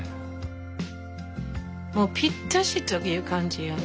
もうぴったしという感じよね。